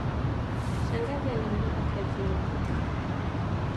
Shangazi aliondoka kazini